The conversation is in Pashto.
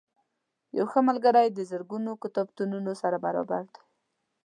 یو ښه ملګری د زرګونو کتابتونونو سره برابر دی.